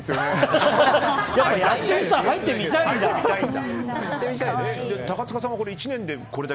やってる人は入ってみたいんだ。